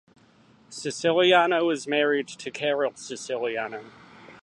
Siciliano is married to Carol Siciliano.